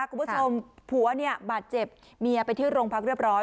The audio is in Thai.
คุณผู้ชมผัวเนี่ยบาดเจ็บเมียไปที่โรงพักเรียบร้อย